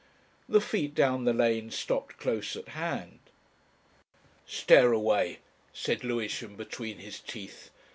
The feet down the lane stopped close at hand. "Stare away," said Lewisham between his teeth.